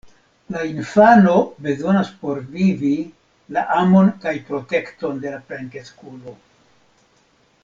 La infano bezonas por vivi la amon kaj protekton de la plenkreskulo.